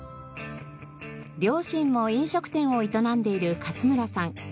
両親も飲食店を営んでいる勝村さん。